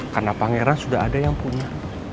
karena pangeran sudah ada yang punya